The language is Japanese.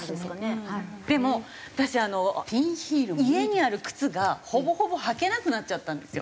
でも私家にある靴がほぼほぼ履けなくなっちゃったんですよ。